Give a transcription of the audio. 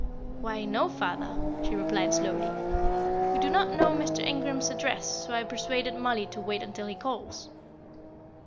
"Why, no, father," she replied, slowly; "we do not know Mr. Ingram's address, so I persuaded Mollie to wait until he calls."